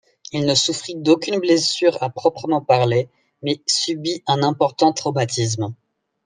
Il ne souffrit d’aucune blessure à proprement parler, mais subit un important traumatisme.